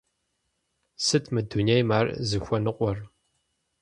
Сыт мы дунейм ар зыхуэныкъуэр?